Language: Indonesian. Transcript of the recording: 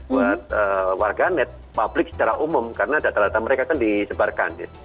buat warganet publik secara umum karena data data mereka itu disebarkan